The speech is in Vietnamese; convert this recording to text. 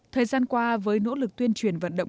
thời gian qua với nỗ lực tuyên truyền vận động